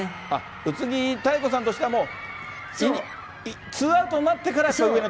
宇津木妙子さんとしてもはもう、ツーアウトになってから上野